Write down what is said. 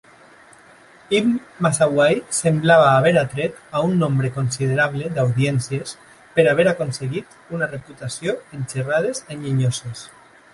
Ibn Masawayh semblava haver atret a un nombre considerable d"audiències, per haver aconseguit una reputació en xerrades enginyoses.